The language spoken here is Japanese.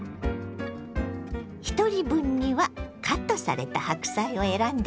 ひとり分にはカットされた白菜を選んでね。